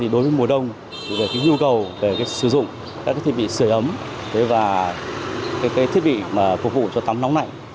đối với mùa đông thì là cái nhu cầu để sử dụng các cái thiết bị sửa ấm và cái thiết bị phục vụ cho tắm nóng lạnh